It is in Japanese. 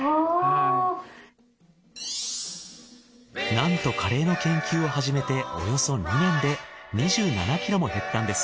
なんとカレーの研究を始めておよそ２年で２７ｋｇも減ったんです。